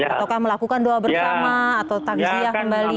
atau melakukan doa bersama atau tanggihnya kembali